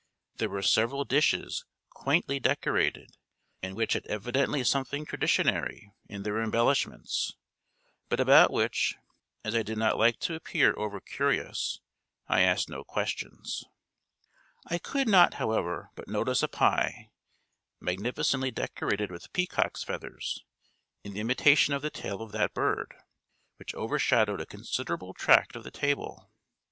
There were several dishes quaintly decorated, and which had evidently something traditionary in their embellishments; but about which, as I did not like to appear over curious, I asked no questions. I could not, however, but notice a pie, magnificently decorated with peacocks' feathers, in imitation of the tail of that bird, which overshadowed a considerable tract of the table.